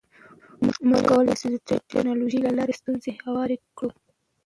موږ کولی شو د ټکنالوژۍ له لارې ستونزې هوارې کړو.